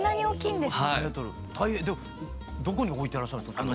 でもどこに置いてらっしゃるんですか？